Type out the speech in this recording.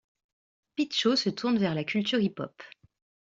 Pitcho se tourne vers la culture hip-hop.